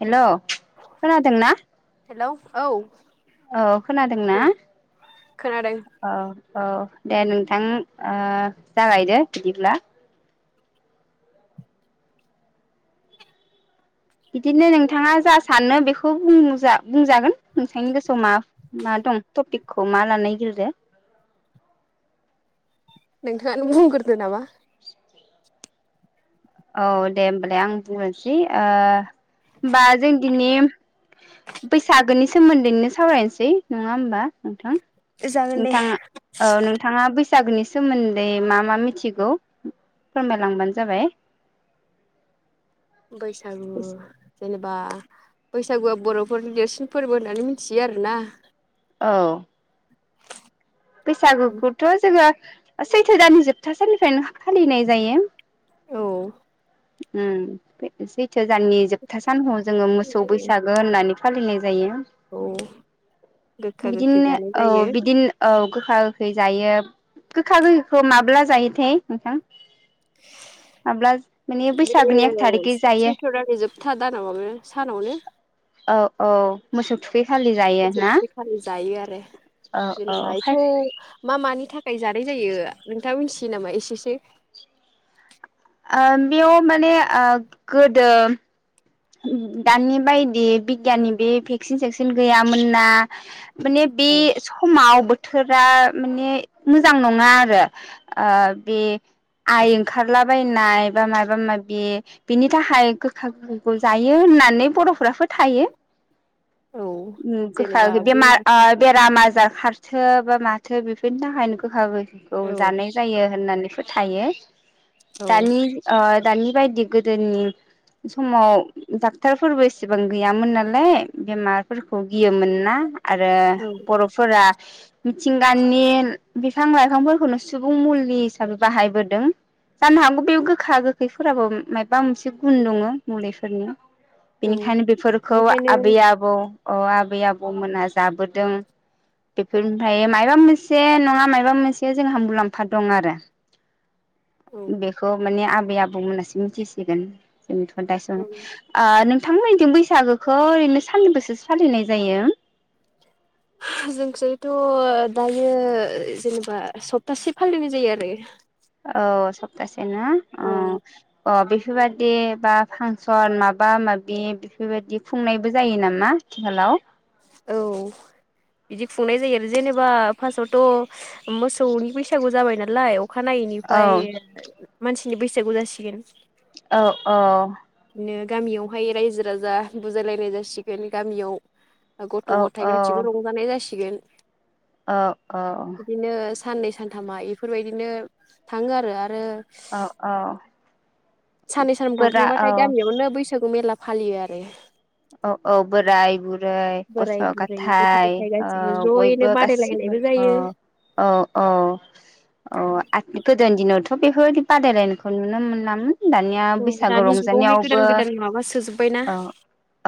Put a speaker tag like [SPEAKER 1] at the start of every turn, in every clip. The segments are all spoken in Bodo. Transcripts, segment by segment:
[SPEAKER 1] हेलौ खोनादोंना?
[SPEAKER 2] हेलौ औ
[SPEAKER 1] औ खोनादोंना
[SPEAKER 2] खोनादों खोनादों
[SPEAKER 1] औ औ दे नोंथां ओ जागायदो बिदिब्ला बिदिनो नोंथाङा जा सानो बेखौ बुंजा बुंजागोन नोंसांनि गोसोआव मा मा दं टपिकखौ मा लानो नागिरदो?
[SPEAKER 2] नोंथांङानो बुंग्रोदो नामा?
[SPEAKER 1] औ दे होमबालाय आं बुंग्रोनोसै ओ होमबा जों दिनिम बैसागोनि सोमोन्दैनो सावरायनोसै नङा होमबा नोंथां?
[SPEAKER 2] जागोन दे
[SPEAKER 1] नोंथां ओ नोंथाङा बैस सागोनि सोमोन्दै मा मा मिथिगौ फोरमायलांबानो जाबाय।
[SPEAKER 2] बैसागु जेनेबा बैसागुआ बर'फोरनि देरसिन फोरबो होननानै मिथियो आरोना।
[SPEAKER 1] औ। बैसागुखौथ' जोङो सैथो दान जोबथा साननिफ्रायनो फालिनाय जायो।
[SPEAKER 2] औ।
[SPEAKER 1] उम बे सैथो जाननि जोबथा सानखौ जोङो मोसौ बैसागो होननानै फालिनाय जायो।
[SPEAKER 2] औ गोखा गोखै
[SPEAKER 1] बिदिनो
[SPEAKER 2] जानाय
[SPEAKER 1] औ
[SPEAKER 2] जायो
[SPEAKER 1] बिदिनो औ गोखा गोखै जायो। गोखा गोखैखौ माब्ला जायोथाय नोंथां? माब्ला माने बैसागोनि एक
[SPEAKER 2] बे
[SPEAKER 1] थारिखै जायो।
[SPEAKER 2] सैथ्र' दाननि जोबथा दानाव माबा सानावनो
[SPEAKER 1] औ औ मोसौ बे खालि जायो
[SPEAKER 2] मोसौ
[SPEAKER 1] ना?
[SPEAKER 2] थुखैखालि जायो आरो
[SPEAKER 1] औ। औ खाय
[SPEAKER 2] [unintelligible] मा मानि थाख खाय जानाय जायो। जों नोंथाङा मिथियो नामा एसेसो?
[SPEAKER 1] ओ बेयाव माने ओ गोदो उम दानि बायदि बिगियाननि बे भेक्सिन सेेकसिन गैयामोन ना माने बे समाव बोथ थोरा माने मोजां नङा आरो। ओ बे आइ ओंखारलाबायनाय बा मायबा मायबि बेनि थाखाय गोखा गोखै खौ जायो होननानै बर'फ्रा फोथायो।
[SPEAKER 2] औ
[SPEAKER 1] उम गोखा बेमार ओ बेरामा आ जाखारथो बा माथो बेफोरनि थाखायनो गोखा गोखै खौ
[SPEAKER 2] औ
[SPEAKER 1] जानाय जायो होननानै फोथायो।
[SPEAKER 2] औ
[SPEAKER 1] दानि ओ दानि बायदि गोदोनि समाव उम डाक्टरफोरबो एसेबां गैयामोन नालाय बेमारफोरखौ गियोमोन ना आरो
[SPEAKER 2] औ
[SPEAKER 1] बर'फोरा मिथिंगानि बिफां लाइफांफोरखौनो सुबुं मुलि हिसाबै बाहायबोदों। जानो हागौ बे गोखा गोखैफोराबो मायबा मोनसे गुन दङो मुलि फोरनि
[SPEAKER 2] औ
[SPEAKER 1] बेनिखायनो बेफोरखौ
[SPEAKER 2] बेनिखायनो
[SPEAKER 1] आबै आबौ अ आबै आबौमोनहा जाबोदों बेफोरनिफ्राय मायबा मोनसे नंङा मायबा मोनसे जोंहा मुलाम्फा दं आरो।
[SPEAKER 2] औ
[SPEAKER 1] बेखौ माने आबै आबौ मोनासो मिथिसिगोन। एनथ दा सों
[SPEAKER 2] औ
[SPEAKER 1] ओ नोंथां मोननिजों बैसागोखौ ओरैनो सानबैसेसो फालिनाय जायो?
[SPEAKER 2] जोंनिथिंथ' दायो जेनेबा सप्तासे फालिनाय जायो आरो।
[SPEAKER 1] औ सप्तासे यो ना अ अ बेफोरबायदि बा फांसन माबा माबि बेफोरबायदि खुंनायबो जायो नामा आथिखालाव?
[SPEAKER 2] औ बिदि खुंनाय जायो आरो जेनेबा फास्ट आवथ' मोसौनि बैसागु जाबाय नालाय
[SPEAKER 1] औ
[SPEAKER 2] अखानायैनिफ्राय मानसि नि बैसागु जासिगोन।
[SPEAKER 1] औ औ।
[SPEAKER 2] बिदिनो गामियावहाय रायजो राजा बुजायलायनाय जासिगोन गामियाव गथ'
[SPEAKER 1] औ
[SPEAKER 2] गथाय गासिबो रंजानाय जासि गोन
[SPEAKER 1] औ औ।
[SPEAKER 2] साननै सानथामा इफोरबायदिनो थांङो आरो आरो
[SPEAKER 1] औ औ।
[SPEAKER 2] साननै साननाम
[SPEAKER 1] बोरा
[SPEAKER 2] थांखांबाथाय
[SPEAKER 1] औ
[SPEAKER 2] गामियावनो बैसागु मेला फालियो आरो।
[SPEAKER 1] औ औ बोराय बुर रै गथ'
[SPEAKER 2] बोराय बुरै गथ'
[SPEAKER 1] गाथाय
[SPEAKER 2] गथाय
[SPEAKER 1] औ
[SPEAKER 2] गासिबो ज'यैनो
[SPEAKER 1] बयबो गासिबो
[SPEAKER 2] बादायलायनायबो
[SPEAKER 1] अ
[SPEAKER 2] जायो
[SPEAKER 1] औ औ आ [unintelligible] गोदोनि दिनावथ' बेफोरबादि बादायलायनायखौ नुनो मोनामोन।
[SPEAKER 2] औ दानि जुगावहाय गोदान गोदान माबा सोजोबबायना।
[SPEAKER 1] औ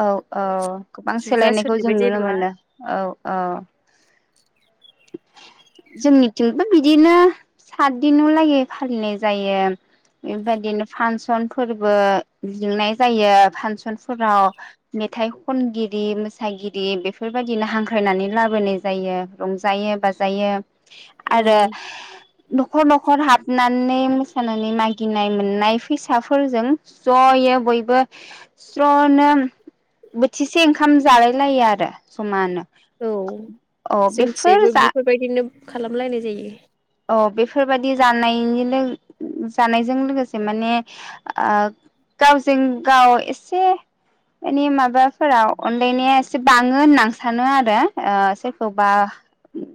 [SPEAKER 1] औ औ गोबां सोलायनायखौ जों नुनो
[SPEAKER 2] जेनेबा
[SPEAKER 1] मोनो औ औ। जोंनिथिंबो बिदिनो सात दिनाव लागै फालिनाय जायो बेबायदिनो फांसन फोरबो जुनाय जायो फांसनफोराव मेथाइ खनगिरि मोसागिरि बेफोरबादिनो हांख्रायनानै लाबोनाय जायो। रंजायो-बाजायो। आरो
[SPEAKER 2] उम
[SPEAKER 1] न' खर न'खर हाबनानै मोसानानै मागिनाय मोननाय फैसा फोरजों जयै बयबो ज्नो बोथिसे ओंखाम जालायलायो आरो जमानो।
[SPEAKER 2] औ
[SPEAKER 1] औ
[SPEAKER 2] जोंस
[SPEAKER 1] बेफोर
[SPEAKER 2] बो
[SPEAKER 1] जा
[SPEAKER 2] बिफोर बायदिनो नो खालामलायनाय जायो।
[SPEAKER 1] अ बेफोरबादि जानायनि लों जानायजों लोगोसे माने ओ गावजों गाव एसे माने माबा फोराव अनलायनाया एसे बाङो होनना सानो आरो ओ सोरखौबा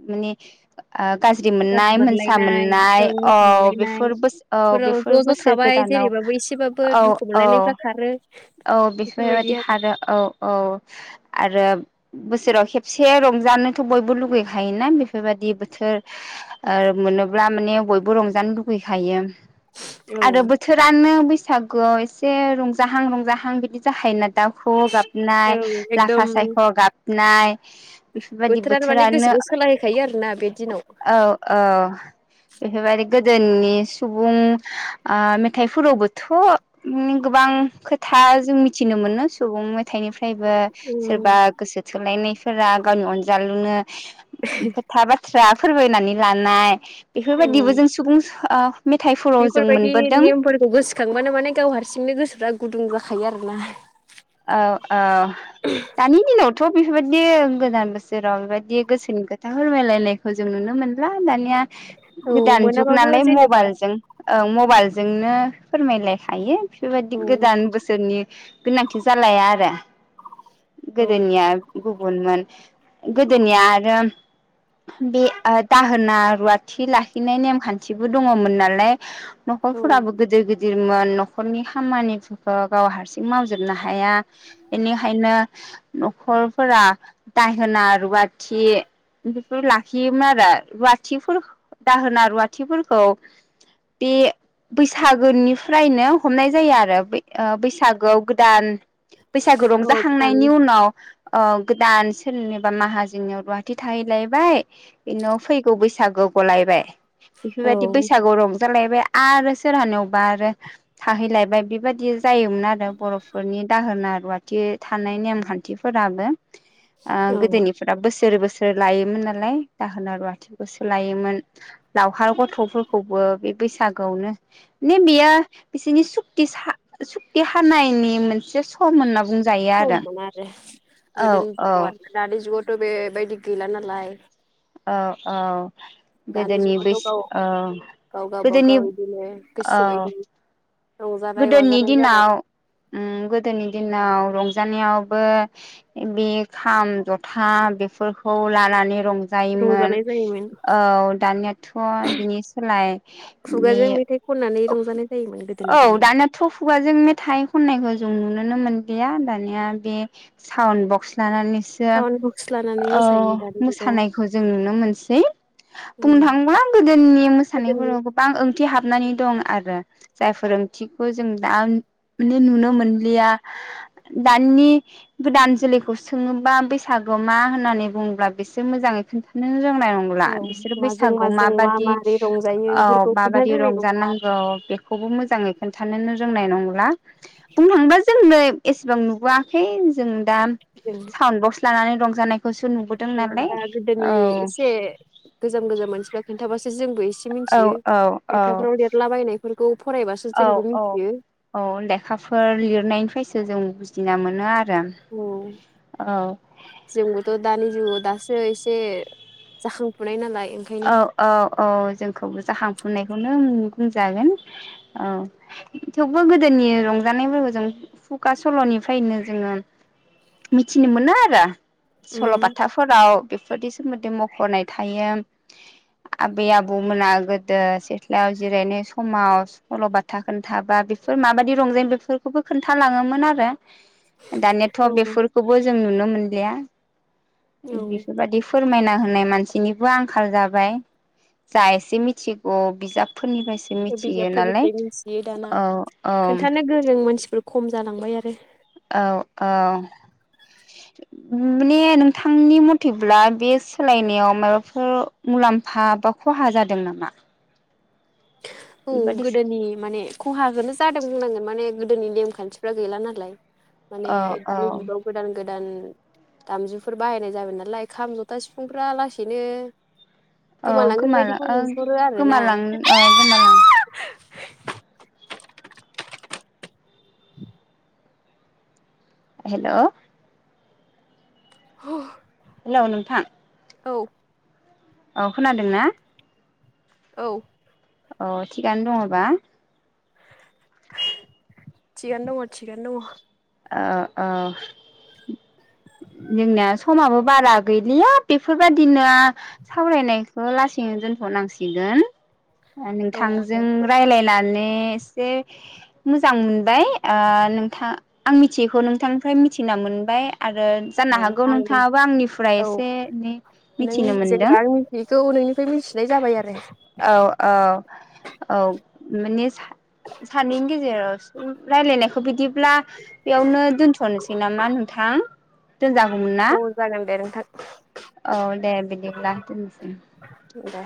[SPEAKER 1] माने ओ गाज्रि
[SPEAKER 2] गाज्रि
[SPEAKER 1] मोननाय मोनसा
[SPEAKER 2] मोनलायनाय
[SPEAKER 1] मोननाय
[SPEAKER 2] ओं दुखु
[SPEAKER 1] औ
[SPEAKER 2] मोनलायनाय
[SPEAKER 1] बेफोर बोस औ
[SPEAKER 2] फोराव
[SPEAKER 1] बेफोर
[SPEAKER 2] ज' ज'
[SPEAKER 1] बोसोर
[SPEAKER 2] थाबाय
[SPEAKER 1] गोदानाव
[SPEAKER 2] जेरैबाबो एसेबाबो
[SPEAKER 1] औ
[SPEAKER 2] दुखु
[SPEAKER 1] औ
[SPEAKER 2] मोनलायनायफ्रा खारो।
[SPEAKER 1] औ बेफोरबायदि खारो औ औ आरो रो बोसोराव खेबसे रंजानोथ' बयबो लुगै खायोना बेफोरबादि बोथोर ओ मोनोब्ला माने बयबो रंजानो लुगैखायो। आरो बोथोरानो बैस सागुआव एसे रंजाहां रं जाहां बिदि जाखायोना दाव खौवौ गा
[SPEAKER 2] औ एकदम
[SPEAKER 1] बेफोरबायदि
[SPEAKER 2] माने
[SPEAKER 1] बोथोरानो
[SPEAKER 2] गोसोखौ सोलायहोखायो आरोना बे दिनाव
[SPEAKER 1] औ औ। बेफोरबायदि गोदोनि सुबुं ओ मेथाइफोरावबोथ' गोबां खो था जों मिथिनो मोनो सुबुं मेथाइनि फायबो
[SPEAKER 2] उम
[SPEAKER 1] सोरबा गोसो थोलायनायफोरा गावनि अनजालु नो खोथा बाथ्रा फोरमायनानै लानाय
[SPEAKER 2] औ
[SPEAKER 1] बेफोरबायदिबो जों सुबुं ओ मेथाइफोराव जों
[SPEAKER 2] बेफोरबायदि
[SPEAKER 1] मोनबोदों
[SPEAKER 2] नेमफोरखौ गोसोखांबानो माने गाव हारसिंनो गोसोफ्रा गुदुं जाखायो आरोना।
[SPEAKER 1] औ औ दानि दिनावथ' बे फोरबायदि गोदान बोसोराव बेबायदि गोसोनि खोथा फोरमायलायनायखौ जों नुनो मोनला दानिया
[SPEAKER 2] औ
[SPEAKER 1] गोदान जुग
[SPEAKER 2] मोनाबाबो
[SPEAKER 1] नालाय
[SPEAKER 2] जेनेबा
[SPEAKER 1] मबाइल जों ओं म बायलजोंनो फोरमायलायखायो। बेफोरबायदि
[SPEAKER 2] औ
[SPEAKER 1] गोदान बोसोरनि गोनां लाया आरो
[SPEAKER 2] औ
[SPEAKER 1] गोदोनिया गुबुनमोन गोदोनिया आरो बे ओ दाहोना रुवाथि लाखिनाय नेमखान्थिबो दङमोन नालाय।
[SPEAKER 2] औ
[SPEAKER 1] नखरफोराबो गोदोर गो गिदिरमोन न'खरनि खामानिफोरखौ गाव हारसिं मावजोबनो हाया बेनि खायनो न'खरफोरा दाहोना रुवा थि लाखियोमोन आरो रुवाथिफोर दाहोना रुवाथिफोरखौ बे बैसागोनिफ्रायनो हमनाय जायो आरो ओ बैसागोआव गोदान बैसागु रंज
[SPEAKER 2] औ गोदान
[SPEAKER 1] खांनायनि उनाव अ गोदान सोरनिबा माहाजोननियाव रुवाथि थाहैलायबाय बिनाव फैगौ बैसागुआव गलायबाय।
[SPEAKER 2] औ
[SPEAKER 1] बेफोरबायदि बैसागु रं जालायबाय आरो सोरहानियावबा आरो थाहैलायबाय बेबायदि जायोमोन आरो बर'फोरनि दाहोना रुवाथि थानाय नेमखान्थिफोराबो। ओ
[SPEAKER 2] औ
[SPEAKER 1] गोदोनिफोरा बोसोर बोसोर सो लायोमोन नालाय दाहोना रुवाथिखौसो लायोमोन, लावखार गथ'फोरखौबो बे बैसागोआवनो मे बेयो बिसोरनि सुत सुक्ति हानायनि मोनसे सम होनना बुं
[SPEAKER 2] सममोन आरो गोदोनि
[SPEAKER 1] औ
[SPEAKER 2] दिनाव आरो दानि जुगावथ' बेबायदि गैला नालाय
[SPEAKER 1] औ औ।
[SPEAKER 2] दानि
[SPEAKER 1] गोदोनि
[SPEAKER 2] जुगावथ'
[SPEAKER 1] बैस
[SPEAKER 2] गाव
[SPEAKER 1] औ
[SPEAKER 2] गाव
[SPEAKER 1] गोदोनि
[SPEAKER 2] गावबागाव बिदिनो
[SPEAKER 1] औ
[SPEAKER 2] गोसो बायदि
[SPEAKER 1] गोदोनि दिनाव ओम गोदोनि दिन आव रंजानायावबो बे खाम जथा बेफोरखौ लानानै रंजायोमोन
[SPEAKER 2] रंजानाय जायोमोन
[SPEAKER 1] औ दानियाथ' बिनि सोलाय बे
[SPEAKER 2] खुगाजों मेथाइ खननानै रंजानाय जायोमोन गोदोनि
[SPEAKER 1] औ
[SPEAKER 2] दिनाव
[SPEAKER 1] दानियाथ' खुगाजों मेथाइ खननायखौ जों नुुनोनो मोनलिया दानिया बे साउन्द बक्स लानानै सो
[SPEAKER 2] साउन्ड बक्स लानानै
[SPEAKER 1] औ
[SPEAKER 2] मोसायो दानि जुगाव
[SPEAKER 1] मोसानायखौ जों नुनो मोनसै बुंनो थाङोबा गोदोनि
[SPEAKER 2] गोदोनि
[SPEAKER 1] मोसानायफोराव गोबां ओंथि हाब हाबनानै दं आरो। जाय फोरोंथिखौ जों दा माने नुनो मोनलिया। दानि गोदान जोलैखौ सोङोबा बैसागोआ मा होननानै बुङोब्ला बिसोर मोजाङै खोन्थानो रोंनाय नंला
[SPEAKER 2] औ
[SPEAKER 1] बिसोर
[SPEAKER 2] माजों
[SPEAKER 1] बैसागु
[SPEAKER 2] माजों मा
[SPEAKER 1] माबादि
[SPEAKER 2] मारै रंजायो
[SPEAKER 1] औ
[SPEAKER 2] बेफोरखौ खोन्थानो
[SPEAKER 1] माबादि
[SPEAKER 2] रोंनाय नङा
[SPEAKER 1] रंजानांगौ बे मोजाङै खोनथानो रोंनाय नंला। बुंनो थांबा जोंनो एसेबां नुबोआखै। जों दा
[SPEAKER 2] जों
[SPEAKER 1] साउन्ड बक्स लानानै रंजानाय
[SPEAKER 2] औ दा गोदोनि एसे गोजाम गोजाम मानसिफ्रा खिन्थाबासो जोंबो एसे
[SPEAKER 1] औ
[SPEAKER 2] मिथियो,
[SPEAKER 1] औ
[SPEAKER 2] लेखाफ्राव
[SPEAKER 1] औ
[SPEAKER 2] लिरला बायनाय फोरखौ
[SPEAKER 1] औ औ औ लेखाफोर लिरनायनिफ्रायसो जों बुजिना मोनो आ
[SPEAKER 2] औ जोंबोथ' दानि जुगाव दा सो एसे जाखांफुनाय नालाय ओंखायनो
[SPEAKER 1] औ औ औ जोंखौबो जाखांफुनायखौनो ओं बुंजागोन। औ थेवबो गोदोनि रंजानायफोरखौ जों खुगा सल'निफ्रायनो जोङो मिथिनो मोनो आरो सल'बाथाफोराव बेफोरनि सोमोन्दै मख'नाय थायो। आबै आबौमोना गोदो सिथ्लायाव जिरायनाय समाव सल'बाथा खोन्थाबा बेफोर माबायदि रंजायो बेफोरखौबो खोन्थालाङोमोन आरो। दानियाथ'
[SPEAKER 2] औ
[SPEAKER 1] बेफोरखौबो जों नुनो मोनलिया। बेफोरबादि फोर मायना होनाय मानसिनिबो आं खाल जाबाय जा एसे मिथिगौ बिजाब
[SPEAKER 2] बिजाबफोरनिफ्राय मिथियो दाना
[SPEAKER 1] औ औ
[SPEAKER 2] खोन्थानो गोरों मानसिफोर खम जालांबाय आरो
[SPEAKER 1] औ औ माने नोंथांनि मथेब्ला बे सोलायनायाव माबाफोर मुलाम्फा बा खहा जादों नामा?
[SPEAKER 2] औ
[SPEAKER 1] बेबादि
[SPEAKER 2] गोदोनि माने खहाखोनो जादों बुंनांगोन माने गोदोनि नेमखान्थिफ्रा गैला नालाय। माने
[SPEAKER 1] औ
[SPEAKER 2] दानि
[SPEAKER 1] औ
[SPEAKER 2] जुगाव गोदान गो दान दामजुफोर बाहायनाय जाबाय नालाय खाम जथा सिफुंफोरा लासैनो।
[SPEAKER 1] औ
[SPEAKER 2] गोमालांगोन
[SPEAKER 1] गोमालां
[SPEAKER 2] बायदिखौ नुहुरो आरोना
[SPEAKER 1] गोमालां अ गोमालां।
[SPEAKER 2] [unintelligible]
[SPEAKER 1] हेलौ।
[SPEAKER 2] ह।
[SPEAKER 1] हेलौ नोंथां।
[SPEAKER 2] औ।
[SPEAKER 1] औ खोनादों ना?
[SPEAKER 2] औ।
[SPEAKER 1] अ थिगानो दङ'बा।
[SPEAKER 2] थिगानो दङ' थिगानो दङ'।
[SPEAKER 1] ओ ओ। जोंनिया समाबो बारा गैलिया बेफोरबायदिनो। सावरायनायखौ लास [unintelligible] नो दोनथ' नांसिगोन।
[SPEAKER 2] दङ औ दे
[SPEAKER 1] नोंथांजों रायलायनानै एसे। मोजां मोनबाय ओ नोंथां आं मिथियैखौ नोंथांनिफ्राय मिथिना मोनबाय आरो जानो
[SPEAKER 2] औ
[SPEAKER 1] हागौ
[SPEAKER 2] आं
[SPEAKER 1] नोंथाङाबो आंनिफ्राय
[SPEAKER 2] औ
[SPEAKER 1] एसे एनै
[SPEAKER 2] नों
[SPEAKER 1] मिथिनो मोनदों
[SPEAKER 2] जेनेबा आं मिथियैखौ नोंनिफ्राय मिथिनाय जाबाय आरो।
[SPEAKER 1] औ औ औ माने सानैनि गेजेराव रायलायनायखौ। बिदि। ब्ला बेयावनो दोन्थ'नोसै नामा नोंथां? दोनजागौमोन ना
[SPEAKER 2] औ जागोन दे नोंथां।
[SPEAKER 1] औ दे बिदि ला दोननोसै।
[SPEAKER 2] दे।